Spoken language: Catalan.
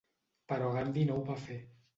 Però Gandhi no ho va fer.